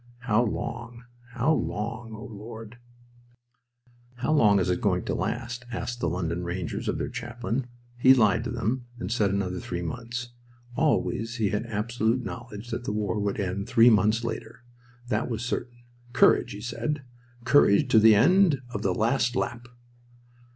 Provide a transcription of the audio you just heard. How long, how long, O Lord? "How long is it going to last?" asked the London Rangers of their chaplain. He lied to them and said another three months. Always he had absolute knowledge that the war would end three months later. That was certain. "Courage!" he said. "Courage to the end of the last lap!"